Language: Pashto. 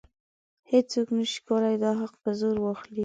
هیڅوک نشي کولی دا حق په زور واخلي.